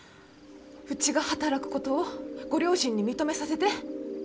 うちが働くことをご両親に認めさせて。